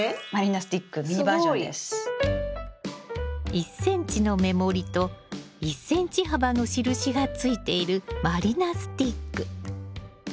１ｃｍの目盛りと１ｃｍ幅の印がついている満里奈スティック。